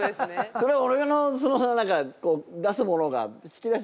それは俺の何か出すものが引き出し